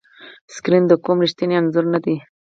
سکرین د قوم ریښتینی انځور نه دی.